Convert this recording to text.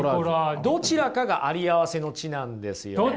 どちらかがありあわせの知なんですよ。